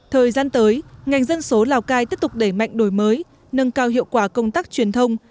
thời gian tới ngành dân số lào cai tiếp tục đẩy mạnh đổi mới nâng cao hiệu quả công tác truyền thông